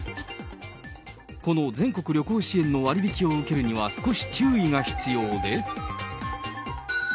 この全国旅行支援の割引を受けるには、少し注意が必要で。